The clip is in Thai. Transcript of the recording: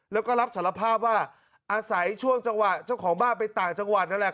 แล้วก็รับสารภาพว่าอาศัยช่วงจังหวะเจ้าของบ้านไปต่างจังหวัดนั่นแหละ